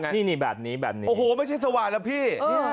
นี่นี่แบบนี้แบบนี้โอ้โหไม่ใช่สว่านนะพี่